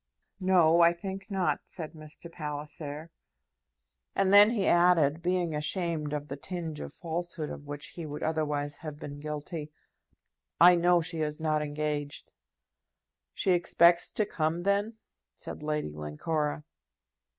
"No; I think not," said Mr. Palliser. And then he added, being ashamed of the tinge of falsehood of which he would otherwise have been guilty, "I know she is not engaged." "She expects to come, then?" said Lady Glencora.